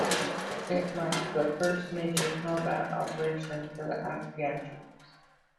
It marked the first major combat operation for the Afghan troops.